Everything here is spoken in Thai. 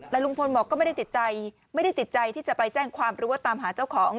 และลุงพลบอกว่าไม่ได้ติดใจที่จะไปแจ้งความหรือว่าตามหาเจ้าของ